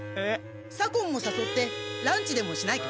左近をさそってランチでもしないか？